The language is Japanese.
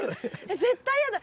絶対やだ。